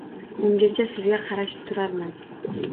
Ungacha sizga qarashib turarman